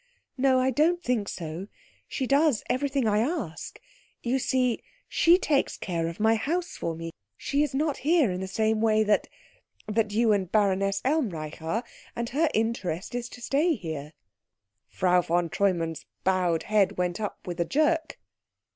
"No, I don't think so. She does everything I ask. You see, she takes care of my house for me. She is not here in the same way that that you and Baroness Elmreich are, and her interest is to stay here." Frau von Treumann's bowed head went up with a jerk.